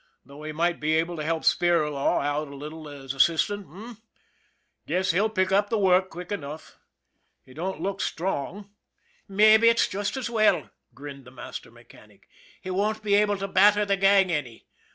Thought he might be able to help Spirlaw out a little as assistant, h'm ? Guess he'll pick up the work quick enough. He don't look strong." " Mabbe it's just as well," grinned the master mechanic. " He won't be able to batter the gang any.